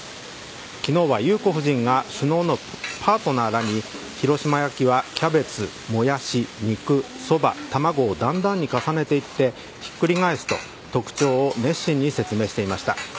昨日は裕子夫人が首脳のパートナーらに広島焼きはキャベツ、もやし、肉そば、卵を段々に重ねていってひっくり返すと特徴を熱心に説明していました。